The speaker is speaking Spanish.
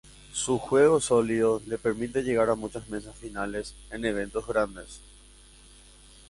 Su juego sólido le permite llegar a muchas mesas finales en eventos grandes.